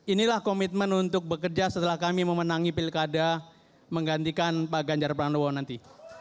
inilah komitmen untuk bekerja setelah kami memenangi pilkada menggantikan pak ganjar pranowo nanti